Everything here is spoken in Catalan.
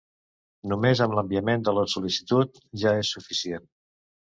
Només amb l'enviament de la sol·licitud ja és suficient.